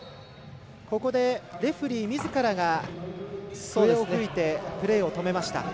ここでレフェリーみずからが笛を吹いてプレーを止めました。